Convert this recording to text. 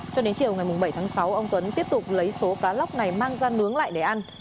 cho đến chiều ngày bảy tháng sáu ông tuấn tiếp tục lấy số cá lóc này mang ra nướng lại để ăn